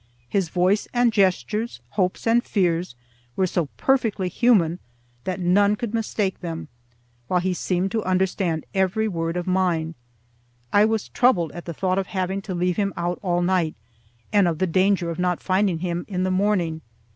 His voice and gestures, hopes and fears, were so perfectly human that none could mistake them; while he seemed to understand every word of mine. I was troubled at the thought of having to leave him out all night, and of the danger of not finding him in the morning.